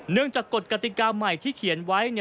จากกฎกติกาใหม่ที่เขียนไว้